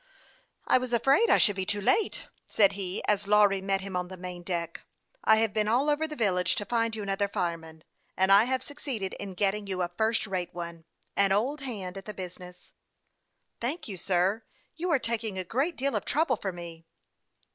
" I was afraid I should be too late," said he, as Lawry met him on the main deck. " I have been all over the village to find you another fireman, and I have succeeded in getting you a first rate one an old hand at the business." " Thank you, sir ; you are taking a great deal of trouble for me."